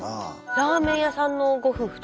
ラーメン屋さんのご夫婦とか？